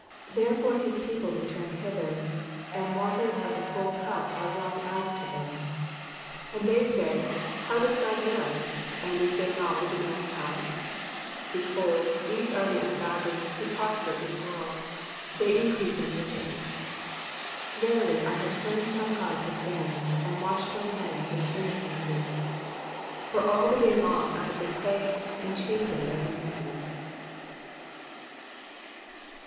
10 Therefore his people return hither : and waters of a full cup are wrung out to them. 11 And they say. How doth God know? and is there knowl edge in the most High ? 12 Behold, these are the ungodly, who prosper in the world ; they increase in riches. 13 Verily I have cleansed my heart /Vi vain, and washed my hands in innocency. 14 For all the day long have I been plagued, and chastened every morning.